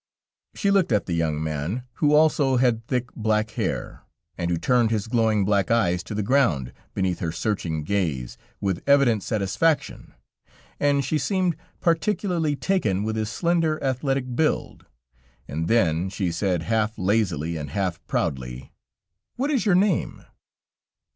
She looked at the young man, who also had thick black hair, and who turned his glowing black eyes to the ground, beneath her searching gaze, with evident satisfaction, and she seemed particularly taken with his slender, athletic build, and then she said half lazily and half proudly: "What is your name?"